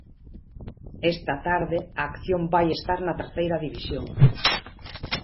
Esta tarde a acción vai estar na Terceira División.